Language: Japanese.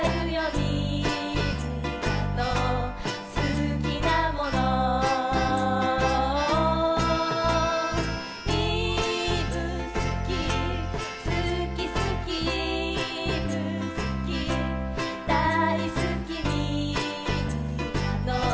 「みんなのすきなもの」「いぶすきすきすき」「いぶすきだいすき」「みんなの」